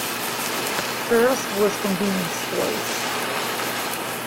First was convenience stores.